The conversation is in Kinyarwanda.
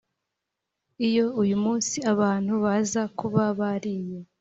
Iyo uyu munsi abantu baza kuba bariye